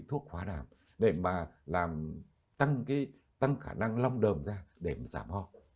thuốc hóa đàm để mà làm tăng cái tăng khả năng lông đờm ra để giảm hò